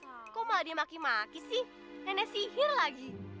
kok malah dia maki maki sih nenek sihir lagi